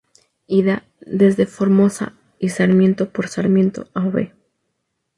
Ida: Desde Formosa y Sarmiento por Sarmiento, Av.